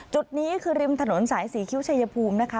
จุดนี้คือริมถนนสายสีคิ้วชัยภูมินะคะ